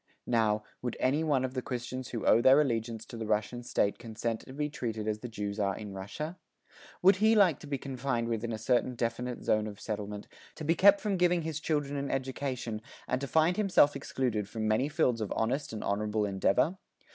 Now, would any one of the Christians who owe their allegiance to the Russian state consent to be treated as the Jews are in Russia? Would he like to be confined within a certain definite zone of settlement, to be kept from giving his children an education, and to find himself excluded from many fields of honest and honourable endeavour?